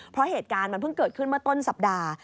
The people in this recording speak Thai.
เพราะเหตุการณ์มันเพิ่งเกิดขึ้นเมื่อต้นสัปดาห์